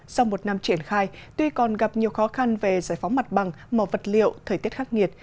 sau một năm triển khai tuy còn gặp nhiều khó khăn về giải phóng mặt bằng mỏ vật liệu thời tiết khắc nghiệt